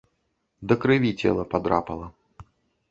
Да крыві цела падрапала.